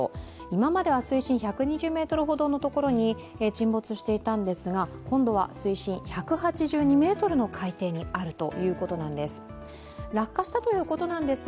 今までは水深１２０ｍほどの所に沈没していたんですが、今度は水深１８２ｍの海底にあるということなんです。